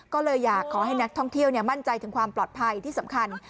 ก็เลยอยากขอให้นักท่องเที่ยวมั่นใจถึงความปลอดภัยที่สำคัญ